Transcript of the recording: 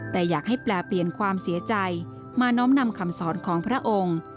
แต่อยากให้แปลเปลี่ยนความเสียใจมาน้อมนำคำสอนของพระองค์